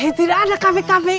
eh tidak ada kafe kafe